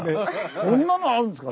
そんなのあるんですか。